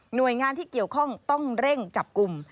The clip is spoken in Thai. โดยงานที่เกี่ยวข้องต้องเร่งจับกลุ่ม